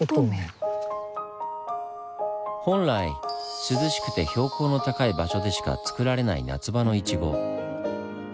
本来涼しくて標高の高い場所でしかつくられない夏場のイチゴ。